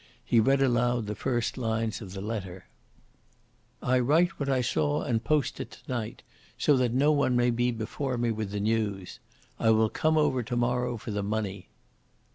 He read aloud the first lines of the letter: "I write what I saw and post it to night, so that no one may be before me with the news. I will come over to morrow for the money."